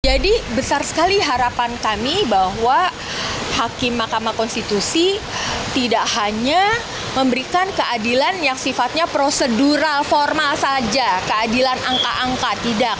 jadi besar sekali harapan kami bahwa hakim mahkamah konstitusi tidak hanya memberikan keadilan yang sifatnya prosedural formal saja keadilan angka angka tidak